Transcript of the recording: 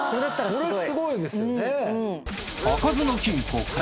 それすごいですよね。